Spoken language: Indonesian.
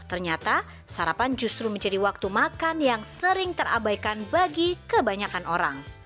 ternyata sarapan justru menjadi waktu makan yang sering terabaikan bagi kebanyakan orang